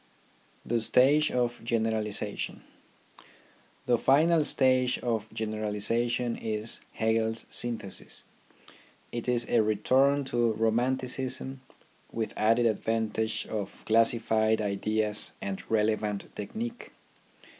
THE STAGE OF GENERALIZATION The final stage of generalization is Hegel's syn thesis. It is a return to romanticism with added ad vantage of classified ideas and relevant technique.